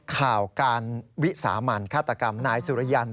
ข่าวการวิสามันฆาตกรรมนายสุริยัน